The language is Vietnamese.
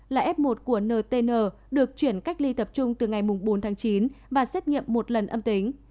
là f một của ntn được chuyển cách ly tập trung từ ngày bốn tháng chín và xét nghiệm một lần âm tính